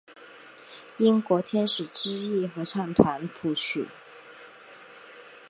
英国天使之翼合唱团谱曲。